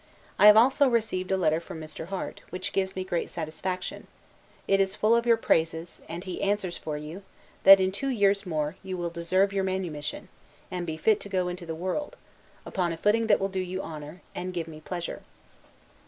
I have also received a letter from Mr. Harte, which gives me great satisfaction: it is full of your praises; and he answers for you, that, in two years more, you will deserve your manumission, and be fit to go into the world, upon a footing that will do you honor, and give me pleasure.